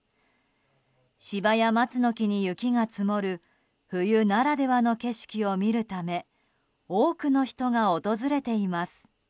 芝や松の木に雪が積もる冬ならではの景色を見るため多くの人が訪れています。